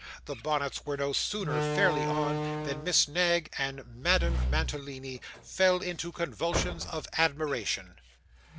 The bonnets were no sooner fairly on, than Miss Knag and Madame Mantalini fell into convulsions of admiration.